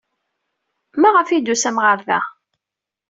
Maɣef ay d-tusam ɣer da?